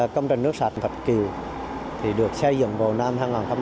công trình nước sạch thạch kiều được xây dựng vào năm hai nghìn một mươi hai